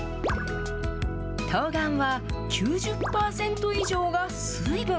とうがんは、９０％以上が水分。